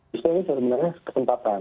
bisa ini sebenarnya ketentakan